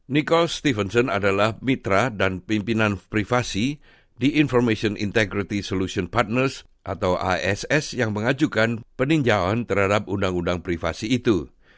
nicole stephenson adalah mitra dan pimpinan privasi di information integrity solution partners atau ass yang mengajukan peninjauan terhadap undang undang privasi itu